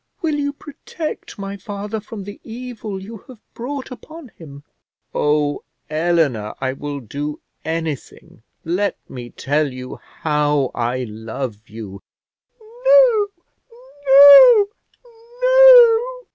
Will you protect my father from the evil you have brought upon him?" "Oh, Eleanor, I will do anything; let me tell you how I love you!" "No, no, no!"